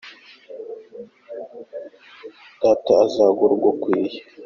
Data azaguhe urugukwiye